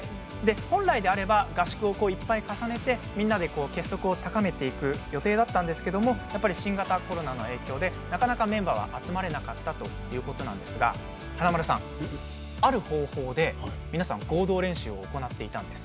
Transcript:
本来であれば合宿をいっぱい重ねてみんなで結束を高めていく予定だったんですけども新型コロナの影響でなかなかメンバーが集まれなかったということですが華丸さん、ある方法で皆さん合同練習を行っていたんです。